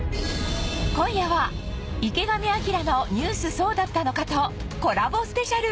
今夜は『池上彰のニュースそうだったのか！！』とコラボスペシャル